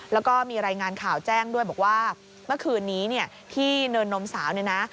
แล้วก็มีรายงานข่าวแจ้งด้วยบอกว่าเมื่อคืนนี้เนี่ยที่เนินนมสาวเนี่ยนะ